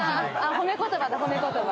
褒め言葉だ褒め言葉。